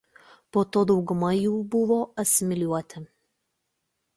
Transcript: Po to dauguma jų buvo asimiliuoti.